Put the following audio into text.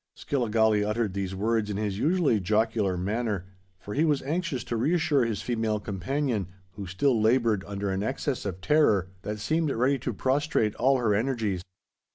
Skilligalee uttered these words in his usually jocular manner; for he was anxious to reassure his female companion, who still laboured under an excess of terror that seemed ready to prostrate all her energies.